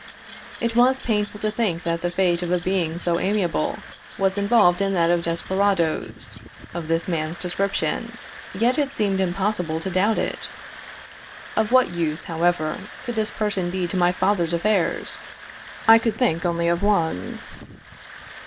It was painful to think that the fate of a being so amiable was involved in that of desperadoes of this man's description; yet it seemed impossible to doubt it. Of what use, however, could this person be to my father's affairs? I could think only of one.